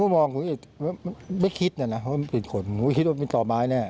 มีอะไรผิดปกติตรงนั้นบ้างไหม